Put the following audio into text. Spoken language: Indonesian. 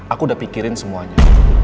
aku udah pikirin semuanya